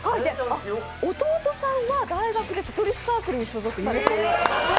弟さんは大学でテトリスサークルに所属されてるそうです。